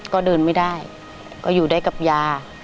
ก็เดินไม่ได้ก็อยู่ได้กับยา